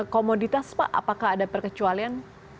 komoditas pak apakah ada perkecualian